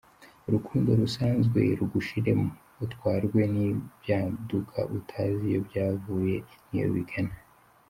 Urukundo rusanzwe rugushiremo, utwarwe n’ibyaduka utazi iyo byavuye n’iyo bigana.